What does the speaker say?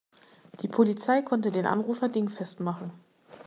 Die Polizei konnte den Anrufer dingfest machen.